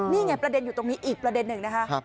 นี่ไงประเด็นอยู่ตรงนี้อีกประเด็นหนึ่งนะคะ